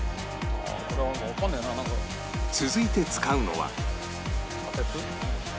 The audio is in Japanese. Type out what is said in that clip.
続いて使うのは